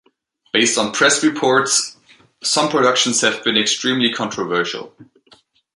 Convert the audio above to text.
Based on press reports, some productions have been extremely controversial.